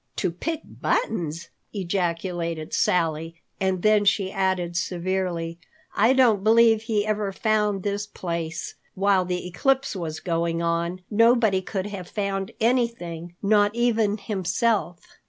"To pick buttons?" ejaculated Sally, and then she added severely, "I don't believe he ever found this place while the eclipse was going on. Nobody could have found anything, not even himself."